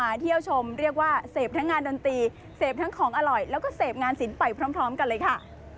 เที่ยวชมเรียกว่าเสพทั้งงานดนตรีเสพทั้งของอร่อยแล้วก็เสพงานศิลป์ไปพร้อมกันเลยค่ะ